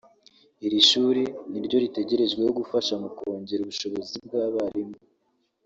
Iri shuri niryo ritegerejweho gufasha mu kongera ubushobozi bw’abarimu